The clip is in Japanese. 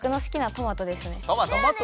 トマト。